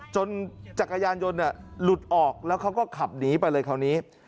จักรยานยนต์หลุดออกแล้วเขาก็ขับหนีไปเลยคราวนี้